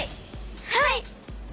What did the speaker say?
はい！